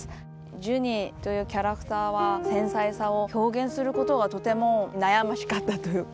ジュニというキャラクターは繊細さを表現することがとても悩ましかったというか。